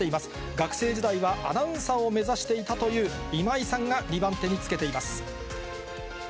学生時代はアナウンサーを目指していたという今井さんが２番手につけています。